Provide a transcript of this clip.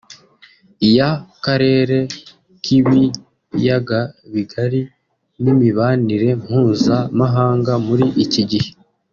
iy’Akarere k’Ibiyagabigari n’imibanire mpuzamahanga muri iki gihe